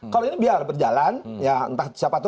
kalau ini biar berjalan ya entah siapa tahu